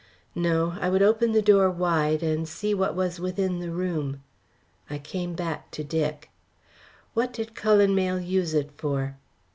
No; I would open the door wide and see what was within the room. I came back to Dick. "What did Cullen Mayle use it for?"